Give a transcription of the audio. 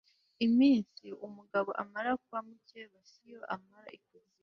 iminsi umugabo amara kwa mukeba si yo amara ikuzimu